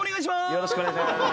よろしくお願いします。